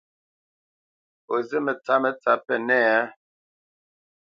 O zí mətsǎpmə tsǎp Pənɛ́a a ?